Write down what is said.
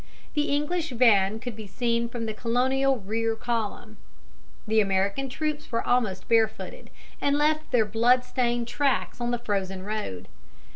The English van could be seen from the Colonial rear column. The American troops were almost barefooted, and left their blood stained tracks on the frozen road.